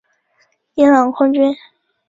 伊朗空军。